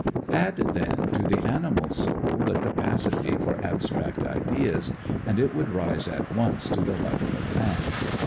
Add, then, to the animal soul the capacity for abstract ideas, and it would rise at once to the level of man.